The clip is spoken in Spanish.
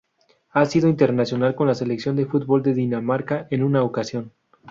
Ha sido internacional con la Selección de fútbol de Dinamarca en una ocasión.